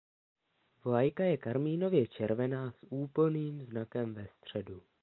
Vlajka je karmínově červená s úplným znakem ve středu.